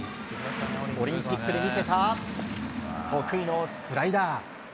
オリンピックで見せた得意のスライダー。